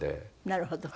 なるほど。